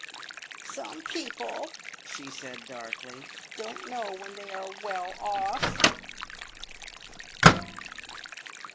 "Some people," she said darkly, "don't know when they are well off!"